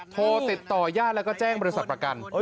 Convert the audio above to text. โทรติดต่อญาติแล้วก็แจ้งบริษัทประกัน